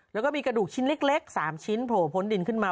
แล้วก็มีกระดูกชิ้นเล็ก๓ชิ้นโผล่พ้นดินขึ้นมา